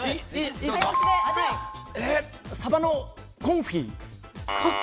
サバのコンフィ。